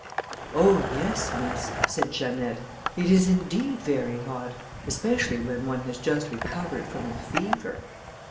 "Oh yes! Miss," said Janette, "it is indeed very hot, especially when one has just recovered from a fever."